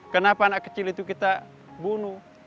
kenapa anak kecil itu kita bunuh